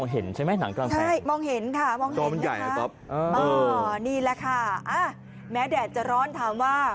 ต่อยอดมาต่างกว่านี่ค่ะโอ้โหนี่แหละค่ะอ้าวนี่แหละค่ะแม้แดดจะร้อนทำว่า